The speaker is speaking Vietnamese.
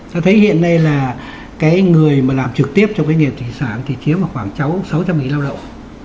thế thì hiện nay là cái người mà làm trực tiếp trong cái nghề thủy sản thì chiếm khoảng sáu trăm linh nghìn lao động